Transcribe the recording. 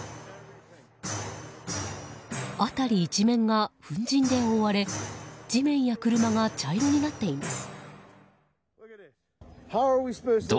辺り一面が粉じんで覆われ地面や車が茶色になっています。